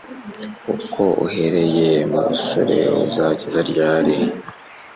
kuko uhereye mu busore uzageza ryari